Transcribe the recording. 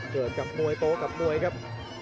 เกิดกับมวยโตกับมวยครับ